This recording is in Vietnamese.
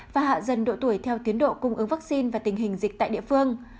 và hạ dần độ tuổi theo tiến độ cung ứng vaccine và tình hình dịch tại địa phương